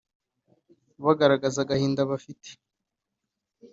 bagaragaza agahinda bafite